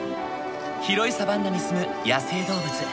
広いサバンナに住む野生動物。